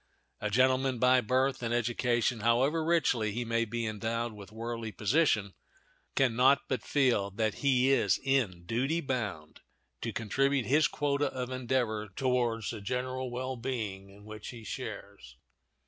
A gentleman by birth and education, however richly he may be endowed with worldly position, can not but feel that he is in duty bound to contribute his quota of endeavor towards the general well being in which he shares.